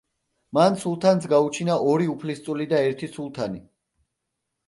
მან სულთანს გაუჩინა ორი უფლისწული და ერთი სულთანი.